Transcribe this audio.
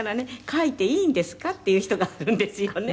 “書いていいんですか？”って言う人があるんですよね」